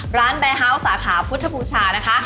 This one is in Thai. บรานแบร์ฮาวสาขาพุทธภูชานะคะ